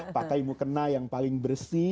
pakai mukena yang paling bersih